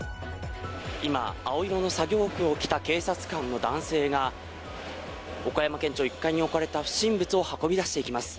今、青色の作業服を着た警察官の男性が岡山県庁１階に置かれた不審物を運び出しています。